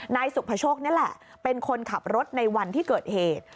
นายสุภโชคนี่แหละเป็นคนขับรถในวันที่เกิดเหตุ